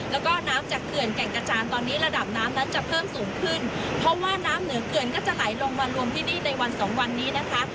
แล้วก็น้ำจากเขื่อนแก่งกระจานตอนนี้ระดับน้ำนั้นจะเพิ่มสูงขึ้นเพราะว่าน้ำเหนือเขื่อนก็จะไหลลงมารวมที่นี่ในวันสองวันนี้นะคะ